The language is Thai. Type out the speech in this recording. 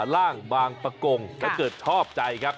ล่างบางประกงถ้าเกิดชอบใจครับ